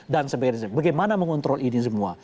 dan sebagai contoh bagaimana mengontrol ini semua